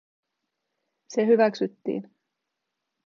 Se hyväksyttiin.